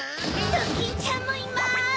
ドキンちゃんもいます！